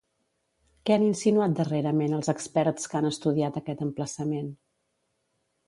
Què han insinuat, darrerament, els experts que han estudiat aquest emplaçament?